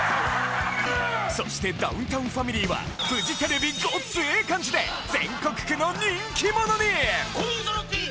そしてダウンタウンファミリーはフジテレビ『ごっつええ感じ』で全国区の人気者に５人そろって。